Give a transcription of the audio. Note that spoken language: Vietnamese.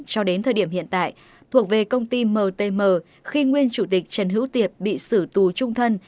cho đến thời điểm hiện tại thuộc về công ty mtm khi nguyên chủ tịch trần hữu tiệp bị xử tù trung thân